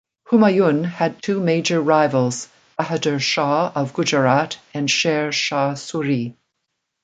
Humayun had two major rivals: Bahadur Shah of Gujarat and Sher Shah Suri.